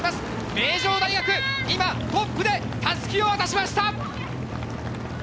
名城大学、今、トップで襷を渡しました！